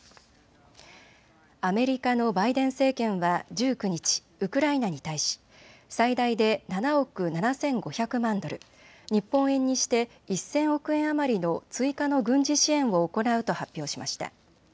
アメリカのバイデン政権は１９日、ウクライナに対し最大で７億７５００万ドル、日本円にして１０００億円余りの追加の軍事支援を行うと発表しました。